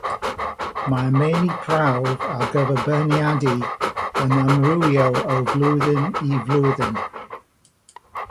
Mae'r meini prawf ar gyfer beirniadu yn amrywio o flwyddyn i flwyddyn.